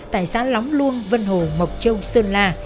tại xã lóng luông vân hồ mộc châu sơn la